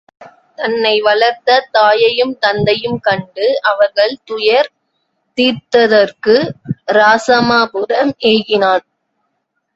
தன்னை வளர்த்த தாயையும் தந்தையும் கண்டு அவர்கள் துயர் தீர்த்தற்கு இராசமாபுரம் ஏகினான்.